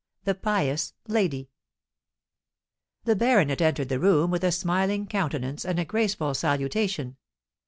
THE PIOUS LADY. The baronet entered the room with a smiling countenance and a graceful salutation.